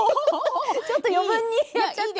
ちょっと余分にやっちゃった。